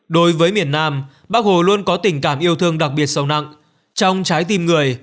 đối với miền nam bác hồ luôn có tình cảm yêu thương đặc biệt sâu nặng trong trái tim người